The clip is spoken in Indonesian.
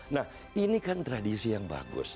nah ini kan tradisi yang bagus